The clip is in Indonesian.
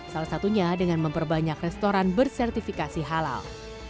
salah satunya dengan memperbanyak restoran bersertifikasi halal